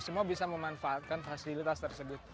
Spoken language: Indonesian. semua bisa memanfaatkan fasilitas tersebut